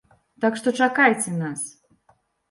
Так што чакайце нас!!!